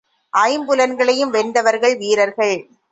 ஐம்புலன்களையும் வென்றவர்கள் வீரர்கள்.